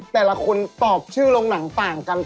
แต่ละคนตอบชื่อลงหนังต่างกัน